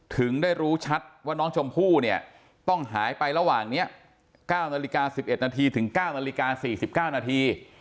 ถึงได้รู้ชัดว่าน้องชมพู่เนี่ยต้องหายไประหว่างนี้๙นาฬิกา๑๑นาทีถึง๙นาฬิกา๔๙นาที